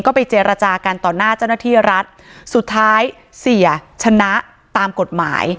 ก็ไปเจรจากันต่อหน้าเจ้าหน้าที่รัฐสุดท้ายเสียชนะตามกฎหมาย